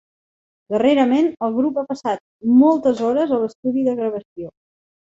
Darrerament el grup ha passat moltes hores a l'estudi de gravació.